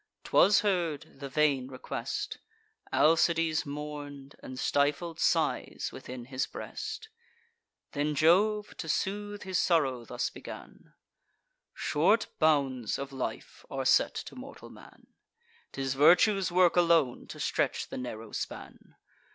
'Twas heard, the vain request; Alcides mourn'd, and stifled sighs within his breast. Then Jove, to soothe his sorrow, thus began: "Short bounds of life are set to mortal man. 'Tis virtue's work alone to stretch the narrow span.